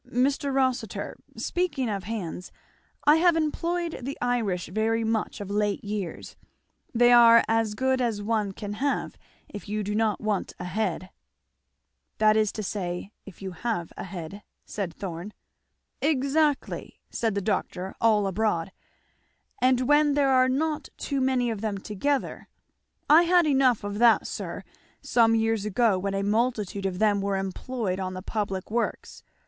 "Mr. Rossitur, speaking of hands, I have employed the Irish very much of late years they are as good as one can have, if you do not want a head." "That is to say, if you have a head," said Thorn. "Exactly" said the doctor, all abroad, "and when there are not too many of them together. I had enough of that, sir, some years ago when a multitude of them were employed on the public works.